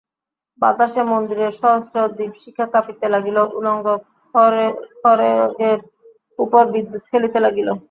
বাতাসে মন্দিরের সহস্র দীপশিখা কাঁপিতে লাগিল, উলঙ্গ খড়্গের উপর বিদ্যুৎ খেলিতে লাগিল।